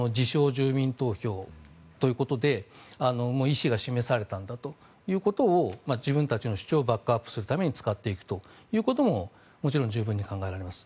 ・住民投票ということで意思が示されたんだということを自分たちの主張をバックアップするために使っていくということももちろん十分に考えられます。